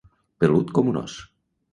Pelut com un ós.